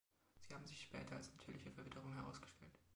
Sie haben sich später als natürliche Verwitterung herausgestellt.